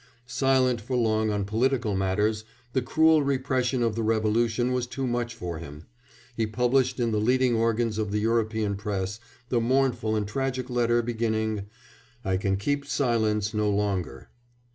Silent for long on political matters, the cruel repression of the revolution was too much for him; he published in the leading organs of the European press the mournful and tragic letter beginning, "I can keep silence no longer."